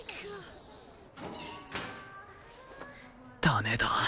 ダメだ。